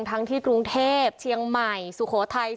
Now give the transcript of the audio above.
ทั้งที่กรุงเทพเชียงใหม่สุโขทัย